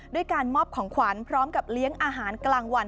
ด้วยการมอบของขวัญพร้อมกับเลี้ยงอาหารกลางวัน